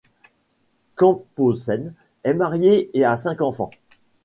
Camphausen est marié et a cinq enfants.